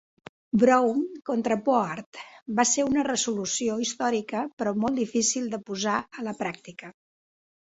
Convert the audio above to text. "Brown contra Board" va ser una resolució històrica però molt difícil de posar a la pràctica.